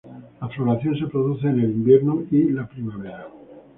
La floración se produce en el invierno y la primavera.